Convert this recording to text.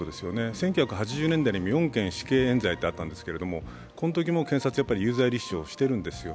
１９８０年代に４件、死刑えん罪ってあったんですけれどもこのときも検察は有罪立証をしているんですよ。